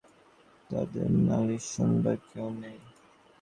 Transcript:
তারা বাগানের শৌখিন গাছ নয়, তাদের নালিশ শোনবার কেউ নেই।